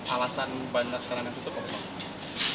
alasan bandar sekarang itu tuh apa bang